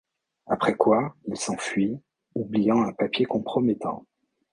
Après quoi, il s'enfuit, oubliant un papier compromettant.